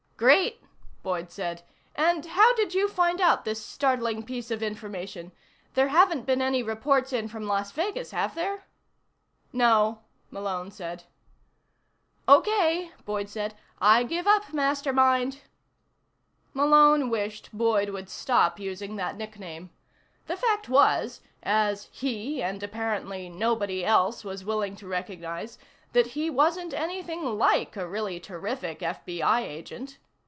"Great," Boyd said. "And how did you find out this startling piece of information? There haven't been any reports in from Las Vegas, have there?" "No," Malone said. "Okay," Boyd said. "I give up, Mastermind." Malone wished Boyd would stop using that nickname. The fact was as he, and apparently nobody else, was willing to recognize that he wasn't anything like a really terrific FBI agent.